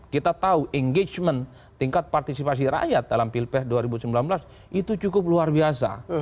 kita tahu engagement tingkat partisipasi rakyat dalam pilpres dua ribu sembilan belas itu cukup luar biasa